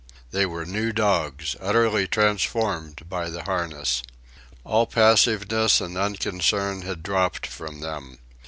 They were new dogs, utterly transformed by the harness. All passiveness and unconcern had dropped from them.